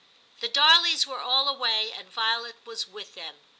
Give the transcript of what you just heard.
The Darleys were all away, and Violet was with them.